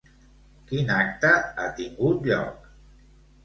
Quin acte ha tingut lloc?